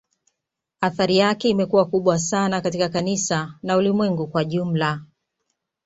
Athari yake imekuwa kubwa sana katika kanisa na Ulimwengu kwa jumla